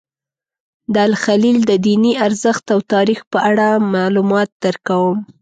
د الخلیل د دیني ارزښت او تاریخ په اړه معلومات درکوم.